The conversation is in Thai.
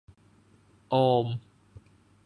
โอม